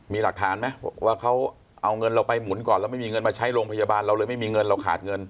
มีหลักฐานไหมว่าเขาเอาเงินเราไปหมุนก่อนแล้วไม่มีเงินมาใช้โรงพยาบาลเราเลยไม่มีเงินเราขาดเงิน